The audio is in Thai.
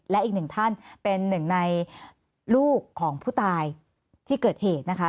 และอีกหนึ่งท่านเป็นหนึ่งในลูกของผู้ตายที่เกิดเหตุนะคะ